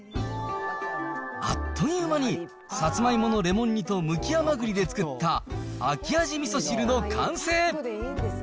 あっという間に、サツマイモのレモン煮とむき甘ぐりで作った秋味みそ汁の完成。